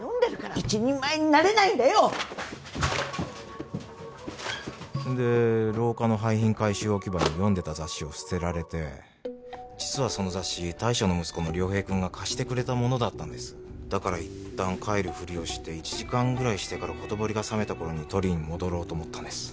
一人前になれないんだよ！で廊下の廃品回収置き場に読んでた雑誌を捨てられて実はその雑誌大将の息子の亮平君が貸してくれたものだったんですだから一旦帰るふりをして１時間ぐらいしてからほとぼりが冷めた頃に取りに戻ろうと思ったんです